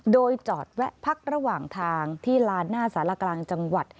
โดยจอดแวะพักระหว่างทางที่ลานหน้าสารกลางจังหวัด